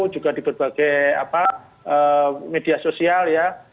juga di berbagai media sosial ya